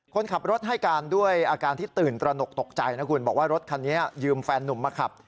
คนขับรถให้การด้วยอาการที่ตื่นตระหนกตกใจนะคุณบอกว่ารถคันนี้ยืมแฟนนุ่มมาขับ